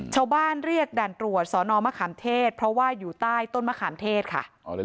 ชาวบ้านเรียกด่านตรวจสอนอมะขามเทศเพราะว่าอยู่ใต้ต้นมะขามเทศค่ะ